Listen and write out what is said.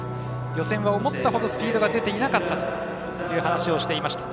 予選は思ったほどスピードが出ていなかったという話をしていました。